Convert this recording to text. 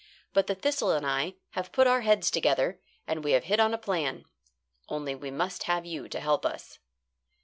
But the thistle and I have put our heads together, and we have hit on a plan. Only we must have you to help us."